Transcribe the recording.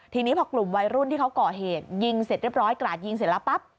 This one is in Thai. ทีนี้พอกลุ่มวัยรุ่นที่เขาก่อเหตุยิงเสร็จเรียบร้อยกราดยิงเสร็จแล้วปั๊บ